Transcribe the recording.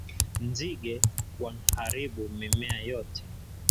Nzige wanharibu mimea yote